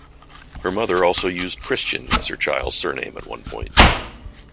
Her mother also used Christian as her child's surname at one point.